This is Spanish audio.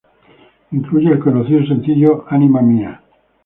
Incluye el conocido sencillo "Anima Mia".